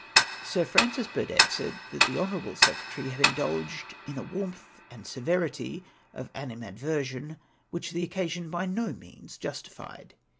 Sir Francis Burdett said that the honourable secretary had indulged in a warmth and severity of animadversion which the occasion by no means justified.